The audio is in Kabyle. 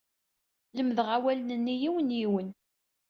Lemdeɣ awalen-nni yiwen, yiwen.